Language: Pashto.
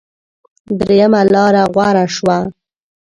درېمه لاره غوره شوه.